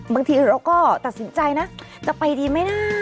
บางทีเราก็ตัดสินใจนะจะไปดีไหมนะ